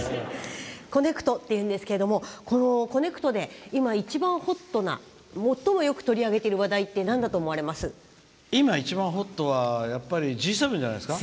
「コネクト」というんですけどこの「コネクト」で今、一番ホットな最もよく取り上げている話題ってＧ７じゃないですか？